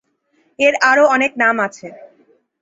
এর আরো অনেক নাম আছে।